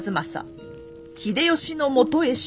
秀吉のもとへ出奔。